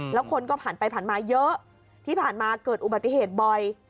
แล้วคนก็ผ่านไปผ่านมาเยอะที่ผ่านมาเกิดอุบัติเหตุบ่อย